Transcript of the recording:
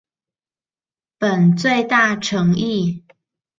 本最⼤誠意